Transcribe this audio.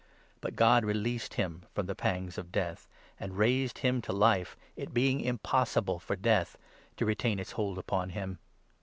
But God released him from 24 the pangs of death and raised him to life, it being impossible for death to retain its hold upon him.